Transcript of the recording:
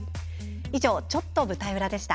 以上「ちょっと舞台裏」でした。